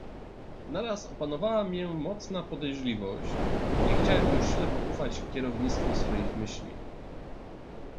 "Naraz opanowała mię mocna podejrzliwość: nie chciałem już ślepo ufać kierownictwu swoich myśli."